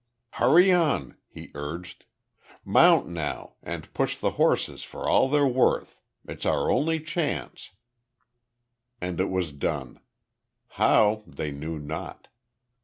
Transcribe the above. "Hurry on," he urged. "Mount now, and push the horses for all they're worth. It's our only chance." And it was done. How they knew not.